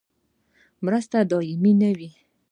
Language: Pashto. مرستې دایمي نه وي